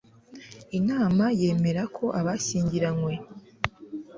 imana yemera ko abashyingiranywe